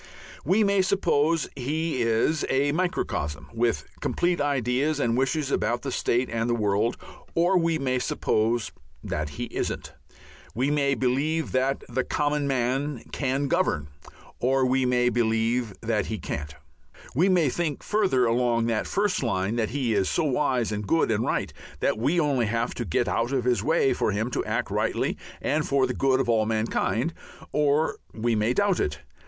We may suppose he is a microcosm, with complete ideas and wishes about the state and the world, or we may suppose that he isn't. We may believe that the common man can govern, or we may believe that he can't. We may think further along the first line that he is so wise and good and right that we only have to get out of his way for him to act rightly and for the good of all mankind, or we may doubt it.